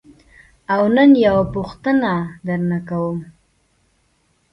او نن یوه پوښتنه درنه کوم.